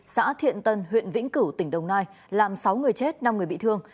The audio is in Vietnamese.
xã thiện tân huyện vĩnh cửu tỉnh đồng nai làm sáu người chết năm người bị thương